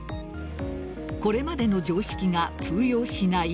これまでの常識が通用しない